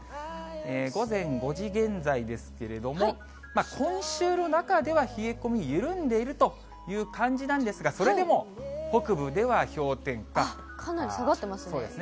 午前５時現在ですけれども、今週の中では冷え込み緩んでいるという感じなんですが、それでもかなり下がってますね。